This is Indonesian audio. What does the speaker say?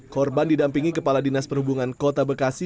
korban didampingi kepala dinas perhubungan kota bekasi